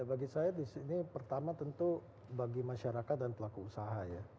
bagi saya di sini pertama tentu bagi masyarakat dan pelaku usaha ya